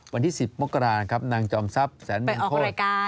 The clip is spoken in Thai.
วันที่๑๐มกรานางจอมทรัพย์แสนเบงโคไปออกรายการ